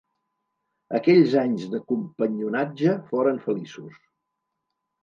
Aquells anys de companyonatge foren feliços.